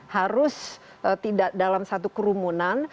harus tidak dalam satu kerumunan